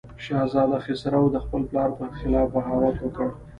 شهزاده خسرو د خپل پلار پر خلاف بغاوت وکړ.